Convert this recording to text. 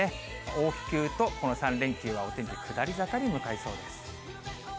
大きくいうと、この３連休はお天気下り坂に向かいそうです。